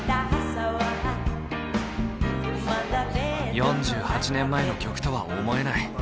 ４８年前の曲とは思えない。